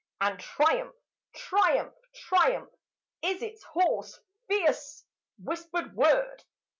And "Triumph, triumph, triumph!" is its hoarse Fierce whispered word.